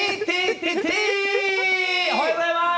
おはようございます。